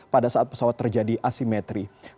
pada saat pesawat terjadi asimetri